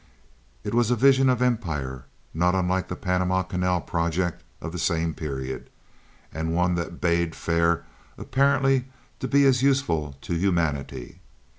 It was a vision of empire, not unlike the Panama Canal project of the same period, and one that bade fair apparently to be as useful to humanity.